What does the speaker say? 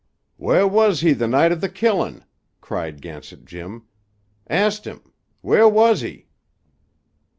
"Whah was he the night of the killin'?" cried Gansett Jim. "Ast him. Whah was he?"